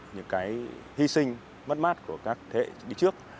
những cái hy sinh mất mát của các thế hệ đi trước